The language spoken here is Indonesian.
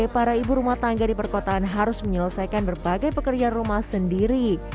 para ibu rumah tangga di perkotaan harus menyelesaikan berbagai pekerjaan rumah sendiri